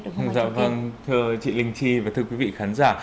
dạ vâng thưa chị linh chi và thưa quý vị khán giả